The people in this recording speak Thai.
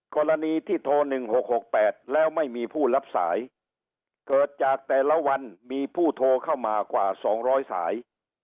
กรณีที่โทรหนึ่งหกหกแปดแล้วไม่มีผู้รับสายเกิดจากแต่ละวันมีผู้โทรเข้ามากว่าสองร้อยสาย